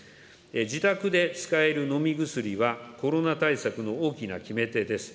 自宅で使える飲み薬は、コロナ対策の大きな決め手です。